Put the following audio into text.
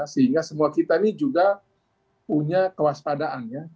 sehingga semua kita ini juga punya kewaspadaan ya